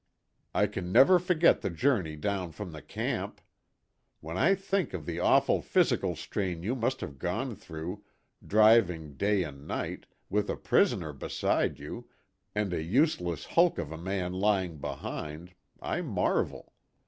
I can never forget the journey down from the camp. When I think of the awful physical strain you must have gone through, driving day and night, with a prisoner beside you, and a useless hulk of a man lying behind, I marvel.